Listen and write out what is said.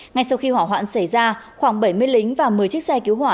ngay sau khi hỏa hoạn xảy ra khoảng bảy mươi lính và một mươi chiếc xe cứu hỏa